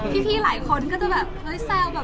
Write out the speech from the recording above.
พี่หลายคนก็จะแบบเซลล์